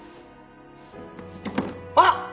あっ！